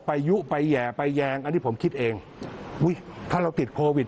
ยุไปแห่ไปแยงอันนี้ผมคิดเองอุ้ยถ้าเราติดโควิด